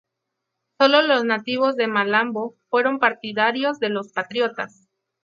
Sólo los nativos de Malambo fueron partidarios de los patriotas.